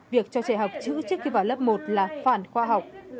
việc cho trẻ học chữ trước khi vào lớp một là phản khoa học